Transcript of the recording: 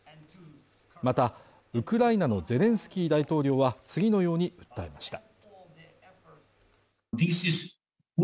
また、ウクライナのゼレンスキー大統領は、次のように訴えました。